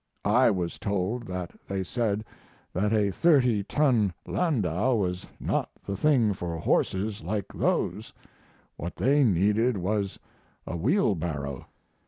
I was told that they said that a 30 ton landau was not the thing for horses like those what they needed was a wheelbarrow.